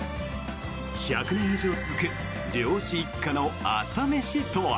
１００年以上続く漁師一家の朝飯とは？